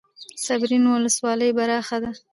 صبریو ولسوالۍ پراخه ده؟